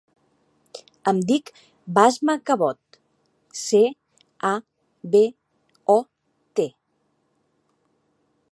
Em dic Basma Cabot: ce, a, be, o, te.